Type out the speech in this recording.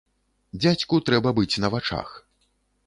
Дзядзьку трэба быць на вачах.